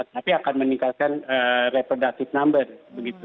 tapi akan meningkatkan reproductive number begitu